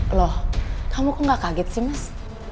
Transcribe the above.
loh kamu kok gak kaget sih mas